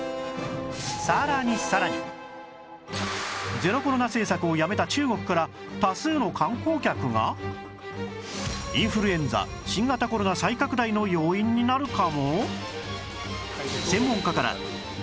ゼロコロナ政策をやめたインフルエンザ新型コロナ再拡大の要因になるかも？